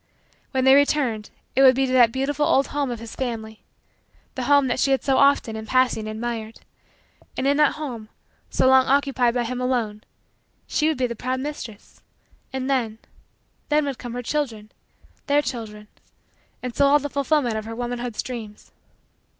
When they returned, it would be to that beautiful old home of his family the home that she had so often, in passing, admired; and in that home, so long occupied by him alone, she would be the proud mistress. And then then would come her children their children and so all the fulfillment of her womanhood's dreams.